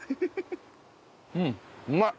うんうまい！